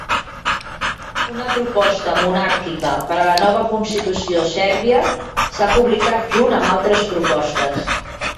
Una proposta monàrquica per a la nova constitució sèrbia s"ha publicat junt amb altres propostes.